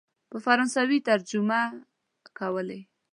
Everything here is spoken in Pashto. په فرانسوي ترجمه کولې.